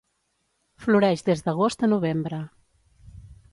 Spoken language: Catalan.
Floreix des d'agost a novembre.